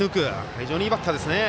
非常にいいバッターですね。